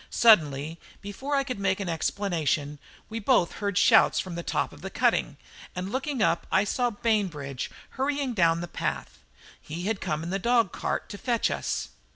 Suddenly, before I could make an explanation, we both heard shouts from the top of the cutting, and looking up I saw Bainbridge hurrying down the path. He had come in the dog cart to fetch us.